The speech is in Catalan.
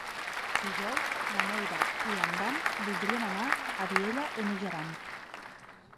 Dijous na Neida i en Dan voldrien anar a Vielha e Mijaran.